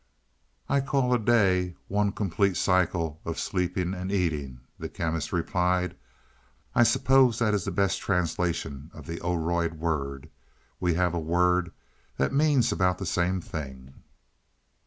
"I call a day, one complete cycle of sleeping and eating," the Chemist replied. "I suppose that is the best translation of the Oroid word; we have a word that means about the same thing."